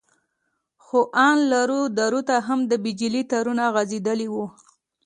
خو ان لرو درو ته هم د بجلي تارونه غځېدلي وو.